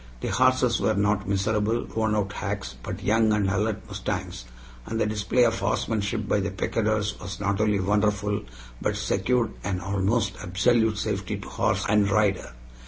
The horses were not miserable, worn out hacks, but young and alert mustangs; and the display of horsemanship by the picadors was not only wonderful, but secured an almost absolute safety to horse and rider.